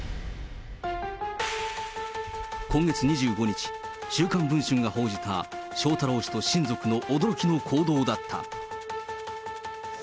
今月２５日、週刊文春が報じた、翔太郎氏と親族の驚きの行動だった。